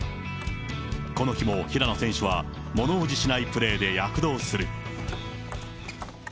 この日も平野選手はものおじしないプレーで躍動する。